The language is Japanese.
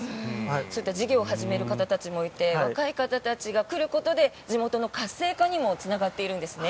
そういった事業を始める方たちもいて若い方たちが来ることで地元の活性化にもそうです。